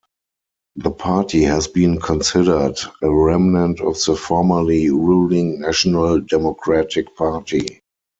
The party has been considered a remnant of the formerly ruling National Democratic Party.